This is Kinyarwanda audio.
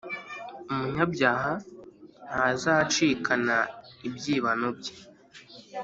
Umunyabyaha ntazacikana ibyibano bye,